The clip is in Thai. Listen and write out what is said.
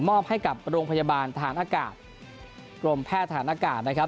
ให้กับโรงพยาบาลฐานอากาศกรมแพทย์ฐานอากาศนะครับ